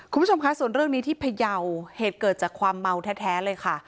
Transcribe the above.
คุณผู้ชมคะส่วนเรื่องนี้ที่พยาวเหตุเกิดจากความเมาแท้เลยค่ะ